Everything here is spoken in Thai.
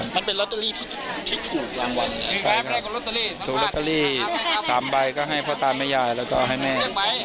ใช่ครับรอเตอรี่๓ใบก็ให้พ่อตามยาแล้วก็ให้แม่